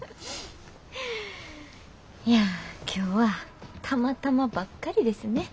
いや今日はたまたまばっかりですね。